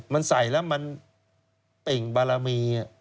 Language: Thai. มันใส่แล้วมันเป็นการติดมหา